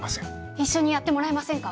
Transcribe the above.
一緒にやってもらえませんか？